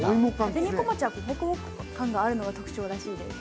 紅小町はホクホク感があるのが特徴らしいです。